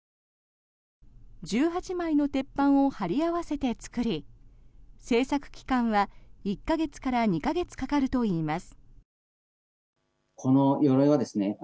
１８枚の鉄板を貼り合わせて作り制作期間は１か月から２か月かかるといいます。